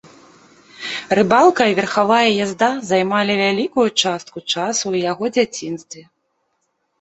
Рыбалка і верхавая язда займалі вялікую частку часу ў яго дзяцінстве.